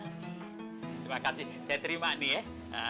terima kasih saya terima nih ya